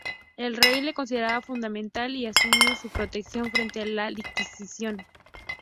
El Rey le consideraba fundamental y asumió su protección frente a la Inquisición.